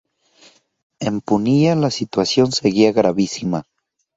En Punilla la situación seguía gravísima.